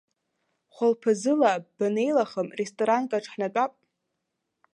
Хәылԥазыла банеилахам, ресторанкаҿ ҳнатәап.